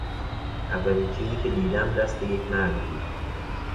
اولین چیزی که دیدم دست یک مرد بود.